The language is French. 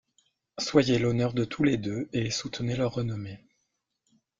Soyez l'honneur de tous les deux, et soutenez leur renommée.